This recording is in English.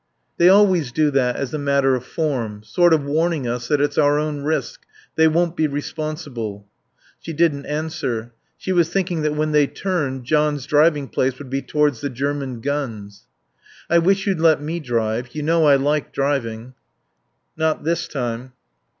"They always do that as a matter of form sort of warning us that it's our own risk. They won't be responsible." She didn't answer. She was thinking that when they turned John's driving place would be towards the German guns. "I wish you'd let me drive. You know I like driving." "Not this time."